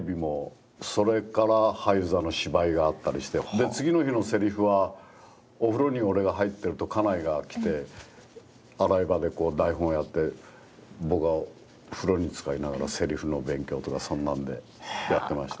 で次の日のセリフはお風呂に俺が入ってると家内が来て洗い場でこう台本やって僕は風呂につかりながらセリフの勉強とかそんなんでやってました。